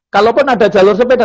kalaupun ada jalur sepeda